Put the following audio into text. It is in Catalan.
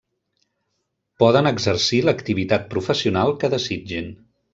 Poden exercir l'activitat professional que desitgin.